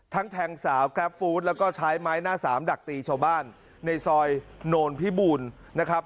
ทั้งแทงสาวแล้วก็ใช้ไม้หน้าสามดักตีชาวบ้านในซอยโน้นพิบูลนะครับ